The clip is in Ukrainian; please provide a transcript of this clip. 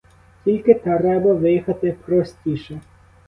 Тільки треба виїхати простіше.